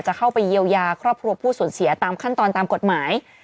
เข้าไปเยียวยาครอบครัวผู้สูญเสียตามขั้นตอนตามกฎหมาย